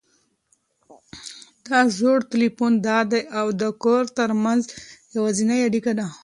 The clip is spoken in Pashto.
دا زوړ تلیفون د ده او د کور تر منځ یوازینۍ اړیکه وه.